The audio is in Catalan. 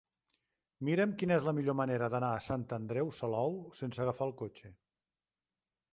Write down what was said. Mira'm quina és la millor manera d'anar a Sant Andreu Salou sense agafar el cotxe.